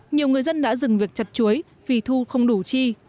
nhiều người dân đã dừng việc chặt chuối vì thu không đủ chi